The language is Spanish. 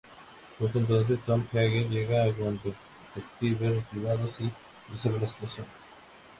Justo entonces, Tom Hagen llega con detectives privados y resuelve la situación.